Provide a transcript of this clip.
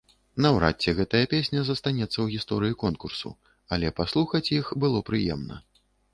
Наўрад ці гэтая песня застанецца ў гісторыі конкурсу, але паслухаць іх было прыемна.